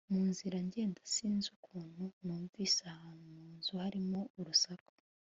munzira ngenda sinzi ukuntu numvise ahantu munzu harimo urusaku